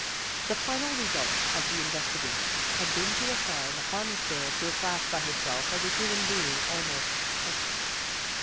The final result of the investigation had been to assign the harmless girl to a class by herself as a human being almost perfect.